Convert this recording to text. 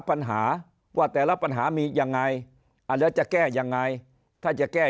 ปัญหาว่าแต่ละปัญหามียังไงแล้วจะแก้ยังไงถ้าจะแก้